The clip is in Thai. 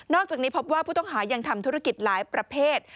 อกจากนี้พบว่าผู้ต้องหายังทำธุรกิจหลายประเภท